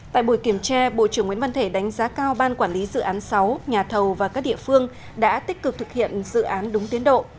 tại buổi kiểm tra bộ trưởng nguyễn văn thể đánh giá cao ban quản lý dự án sáu nhà thầu và các địa phương đã tích cực thực hiện dự án đúng tiến độ